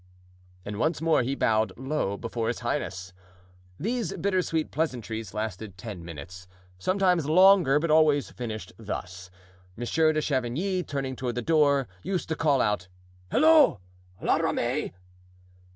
And once more he bowed low before his highness. These bitter sweet pleasantries lasted ten minutes, sometimes longer, but always finished thus: Monsieur de Chavigny, turning toward the door, used to call out: "Halloo! La Ramee!"